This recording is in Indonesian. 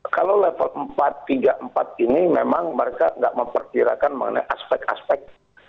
kalau level empat tiga empat ini memang mereka tidak memperkirakan mengenai aspek aspek